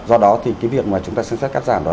do đó thì cái việc mà chúng ta sáng sát cắt giảm đó